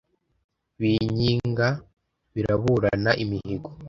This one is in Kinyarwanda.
b'inkiga biraburana imihigo.